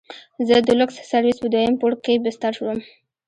زه د لوکس سرويس په دويم پوړ کښې بستر وم.